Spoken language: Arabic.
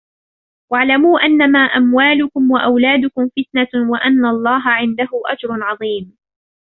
وَاعْلَمُوا أَنَّمَا أَمْوَالُكُمْ وَأَوْلَادُكُمْ فِتْنَةٌ وَأَنَّ اللَّهَ عِنْدَهُ أَجْرٌ عَظِيمٌ